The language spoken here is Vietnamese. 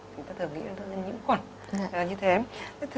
thường nghĩ là nó là những quả như thế